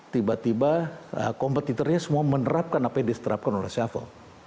tiba tiba kompetitornya semua menerapkan apa yang diterapkan oleh shuffle